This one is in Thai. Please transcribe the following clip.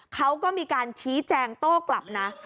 เขาก็มีการชี้แจงโต้กลับนะ